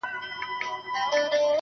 o ز ماپر حا ل باندي ژړا مه كوه.